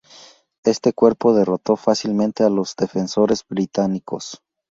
Este cuerpo derrotó fácilmente a los defensores británicos.